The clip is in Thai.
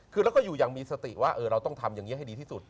คือเราก็อยู่อย่างมีสติว่าเราต้องทำอย่างนี้ให้ดีที่สุด